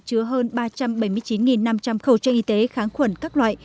chứa hơn ba trăm bảy mươi chín năm trăm linh khẩu trang y tế kháng khuẩn các loại